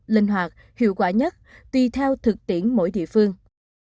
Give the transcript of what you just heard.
linh hoạt hiệu quả nhất tùy theo thực tiễn mỗi địa phương